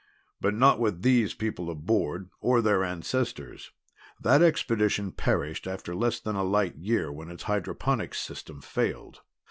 "But not with these people aboard, or their ancestors. That expedition perished after less than a light year when its hydroponics system failed.